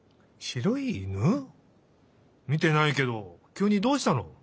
みてないけどきゅうにどうしたの？